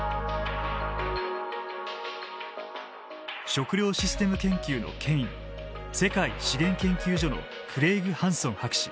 食料システム研究の権威世界資源研究所のクレイグ・ハンソン博士。